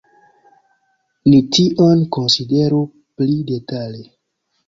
Ni tion konsideru pli detale.